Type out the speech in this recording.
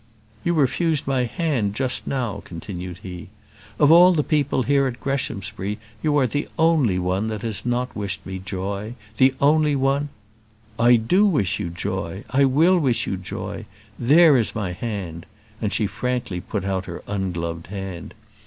"You refused my hand just now," continued he. "Of all the people here at Greshamsbury, you are the only one that has not wished me joy; the only one " "I do wish you joy; I will wish you joy; there is my hand," and she frankly put out her ungloved hand.